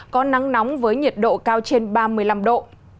có nắng nóng với nhiệt độ cao trên ba mươi năm độ